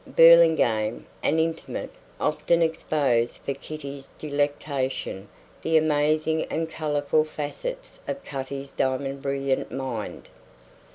Burlingame, an intimate, often exposed for Kitty's delectation the amazing and colourful facets of Cutty's diamond brilliant mind.